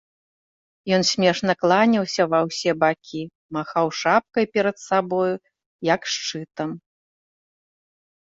Ён смешна кланяўся ва ўсе бакі, махаў шапкай перад сабою, як шчытам.